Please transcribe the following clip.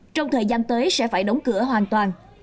trong thời gian tới sẽ phải đóng cửa hoàn toàn